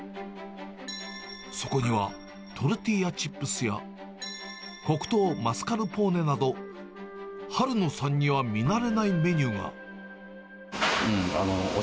そこには、トルティーヤチップスや、黒糖マスカルポーネなど、春野さんにはうん、おしゃれ。